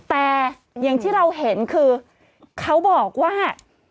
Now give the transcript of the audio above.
แต่อย่างที่เราเห็นคือเขาบอกว่า